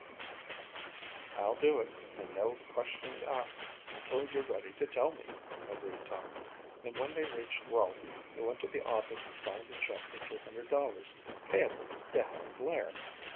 "I'll do it and no questions asked until you're ready to tell me," agreed Tom and when they reached Rolfe he went to the office and signed a check for $200 payable to Helen Blair.